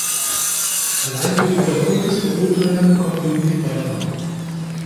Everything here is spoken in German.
Allein durch wiederholtes Verurteilen kommen wir nicht weiter.